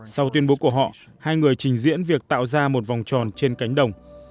sau tuyên bố của họ hai người trình diễn việc tạo ra một vòng tròn trên cánh đồng